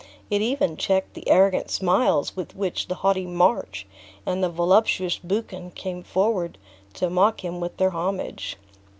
It even checked the arrogant smiles with which the haughty March and the voluptuous Buchan came forward to mock him with their homage.